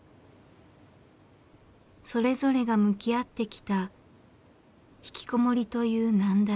それぞれが向き合ってきたひきこもりという難題。